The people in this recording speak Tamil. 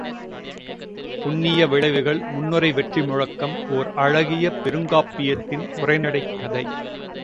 புண்ணிய விளைவுகள் முன்னுரை வெற்றி முழக்கம் ஓர் அழகிய பெருங்காப்பியத்தின் உரைநடைக் கதை.